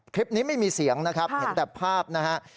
คลิปนี้ไม่มีเสียงนะครับเห็นแต่ภาพนะฮะ